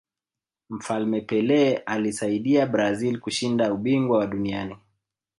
mfalme pele aliisaidia brazil kushinda ubingwa wa duniani